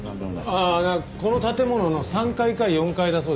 ああこの建物の３階か４階だそうです。